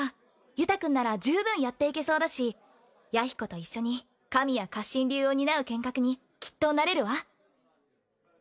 由太君ならじゅうぶんやっていけそうだし弥彦と一緒に神谷活心流を担う剣客にきっとなれるわ。